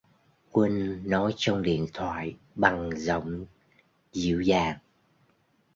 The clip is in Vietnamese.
Quân nói trong điện thoại bằng giọng dịu dàng